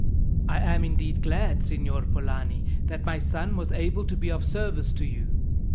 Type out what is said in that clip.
"I am indeed glad, Signor Polani, that my son was able to be of service to you.